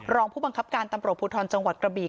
รองผู้บังคับการตำรวจภูทรจังหวัดกระบี